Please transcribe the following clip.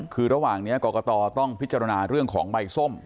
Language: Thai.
คือระหว่างนี้กรกตต้องพิจารณาเรื่องของใบส้ม